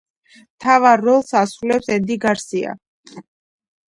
მთავარ როლს ასრულებს ენდი გარსია.